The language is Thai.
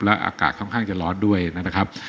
อากาศค่อนข้างจะร้อนด้วยนะครับ